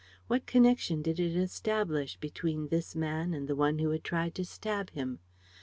What connection did it establish between this man and the one who had tried to stab him?